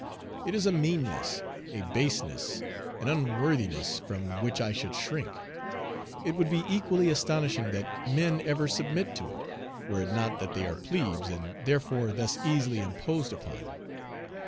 It is a meanness, a baseness, an unworthiness from which I should shrink. It would be equally astonishing that men ever submit to it, were it not that they are plebes, and therefore thus easily imposed upon.